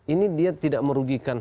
ini dia tidak merugikan